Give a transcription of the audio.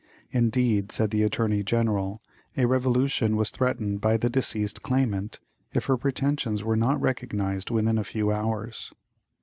Indeed, said the Attorney General, a revolution was threatened by the deceased claimant if her pretensions were not recognized within a few hours.